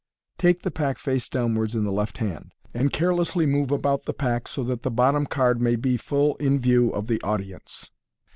Take the pack face downwards in the left hand, and carelessly move about the pack so that the bottom card may be full in view of the audience.